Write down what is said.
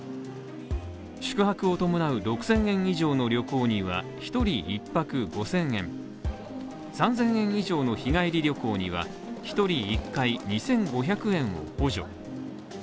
宿泊を伴う６０００円以上の旅行には１人１泊５０００円３０００円以上の日帰り旅行には１人１回２５００円を補助。